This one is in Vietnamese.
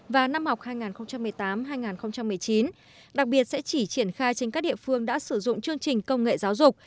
và năm học hai nghìn một mươi tám hai nghìn một mươi chín đặc biệt sẽ chỉ triển khai trên các địa phương đã sử dụng chương trình công nghệ giáo dục